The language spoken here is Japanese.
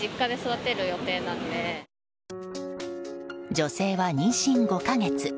女性は妊娠５か月。